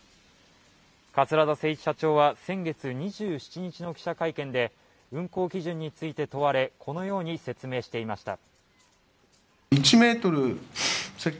桂田精一社長は先月２７日の記者会見について運航基準について問われこのように説明していました。